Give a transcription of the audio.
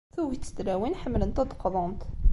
Tuget n tlawin ḥemmlent ad d-qḍunt.